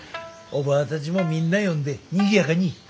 おばぁたちもみんな呼んでにぎやかに。